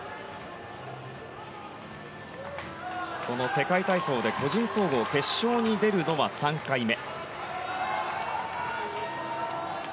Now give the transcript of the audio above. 世界体操で個人総合決勝に出るのは３回目。